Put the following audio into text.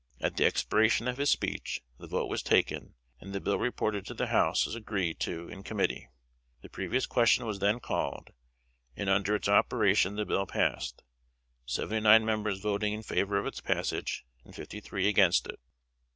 At the expiration of his speech the vote was taken, and the bill reported to the House as agreed to in committee. The previous question was then called, and under its operation the bill passed seventy nine members voting in favor of its passage, and fifty three against it.